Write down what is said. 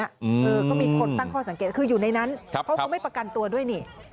เออก็มีคนตั้งข้อสังเกตคืออยู่ในนั้นเพราะเขาไม่ประกันตัวด้วยนี่